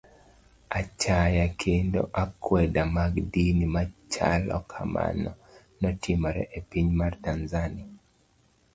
Achaya kendo akwede mag dini machalo kamano notimore e piny mar Tanzania.